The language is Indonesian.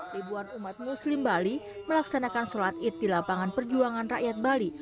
ribuan umat muslim bali melaksanakan sholat id di lapangan perjuangan rakyat bali